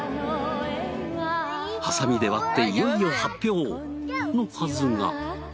ハサミで割っていよいよ発表！のはすが。